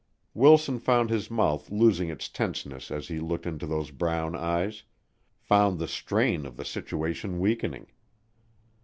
Wilson found his mouth losing its tenseness as he looked into those brown eyes; found the strain of the situation weakening.